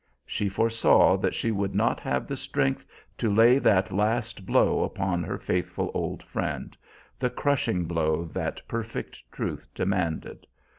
She foresaw that she would not have the strength to lay that last blow upon her faithful old friend, the crushing blow that perfect truth demanded.